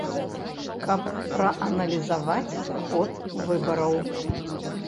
Каб прааналізаваць ход выбараў.